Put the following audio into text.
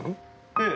ええ。